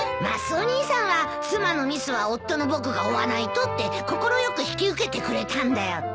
マスオ兄さんは「妻のミスは夫の僕が負わないと」って快く引き受けてくれたんだよ。